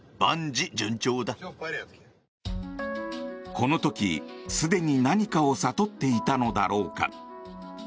この時、すでに何かを悟っていたのだろうか。